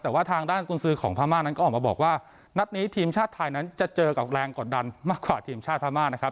แต่ว่าทางด้านกุญสือของพม่านั้นก็ออกมาบอกว่านัดนี้ทีมชาติไทยนั้นจะเจอกับแรงกดดันมากกว่าทีมชาติพม่านะครับ